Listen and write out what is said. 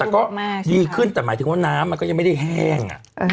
แต่ก็ดีขึ้นแต่หมายถึงว่าน้ำมันก็ยังไม่ได้แห้ง